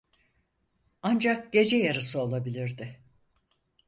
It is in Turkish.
Ancak gece yarısı olabilirdi.